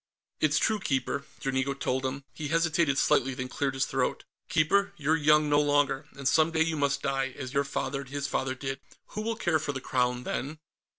"It's true, Keeper," Dranigo told him. He hesitated slightly, then cleared his throat. "Keeper, you're young no longer, and some day you must die, as your father and his father did. Who will care for the Crown then?"